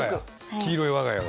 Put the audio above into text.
黄色い我が家が。